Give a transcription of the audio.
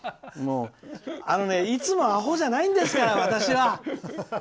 あのね、いつもあほじゃないんですから、私は。